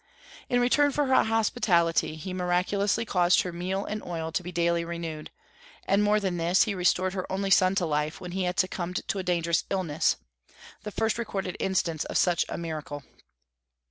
In return for her hospitality he miraculously caused her meal and oil to be daily renewed; and more than this, he restored her only son to life, when he had succumbed to a dangerous illness, the first recorded instance of such a miracle.